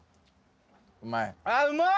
うまい？